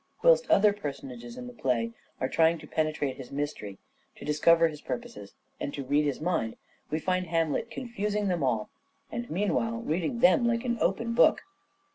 Whilst other personages in the play are trying to penetrate his mystery, to discover his purposes and to read his mind, we find Hamlet confusing them all, and, mean while, reading them like an open book.